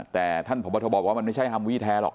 แต่ท่านผู้ประโยชน์บอกว่ามันไม่ใช่ฮัมวี่แท้หรอก